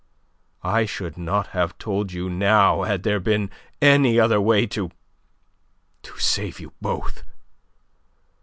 I should not have told you now had there been any other way to... to save you both.